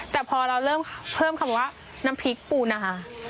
แต่พอเราเริ่มเพิ่มคำว่าน้ำพริกปูนา